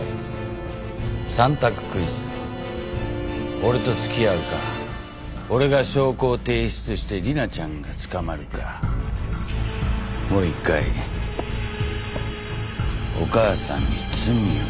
俺と付き合うか俺が証拠を提出して理奈ちゃんが捕まるかもう１回お母さんに罪を着せるか。